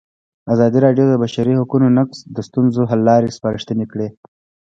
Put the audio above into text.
ازادي راډیو د د بشري حقونو نقض د ستونزو حل لارې سپارښتنې کړي.